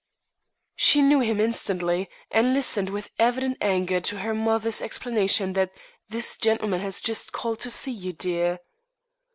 She knew him instantly, and listened with evident anger to her mother's explanation that "this gentleman has just called to see you, dear."